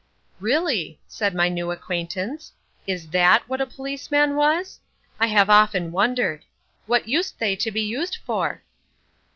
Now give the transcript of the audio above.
"Really," said my new acquaintance, "is that what a policeman was? I've often wondered. What used they to be used for?"